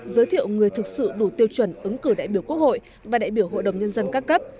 giới thiệu người thực sự đủ tiêu chuẩn ứng cử đại biểu quốc hội và đại biểu hội đồng nhân dân các cấp